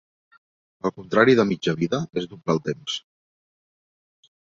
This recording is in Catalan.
El contrari de mitja vida és doblar el temps.